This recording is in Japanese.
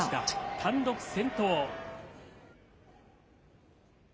単独先頭。